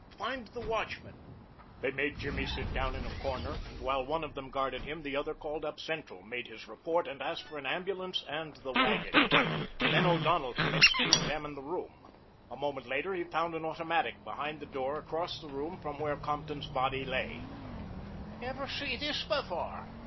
"Find the watchman." They made Jimmy sit down in a corner, and while one of them guarded him the other called up central, made his report, and asked for an ambulance and the wagon. Then O'Donnell commenced to examine the room. A moment later he found an automatic behind the door across the room from where Compton's body lay. "Ever see this before?"